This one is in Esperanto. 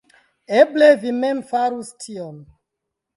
Eble vi mem farus tion?